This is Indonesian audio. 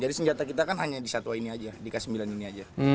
jadi senjata kita kan hanya di satwa ini aja di k sembilan ini aja